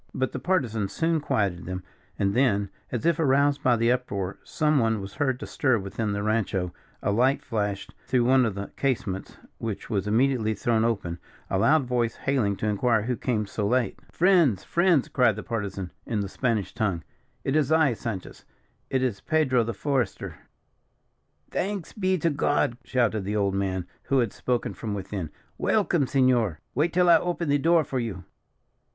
But the Partisan soon quieted them; and then, as if aroused by the uproar, some one was heard to stir within the rancho, a light flashed through one of the casements, which was immediately thrown open a loud voice hailing to inquire who came so late. "Friends, friends!" cried the Partisan, in the Spanish tongue. "It is I, Sanchez; it is Pedro, the Forester." "Thanks be to God!" shouted the old man, who had spoken from within; "welcome, senor. Wait till I open the door for you."